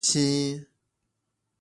青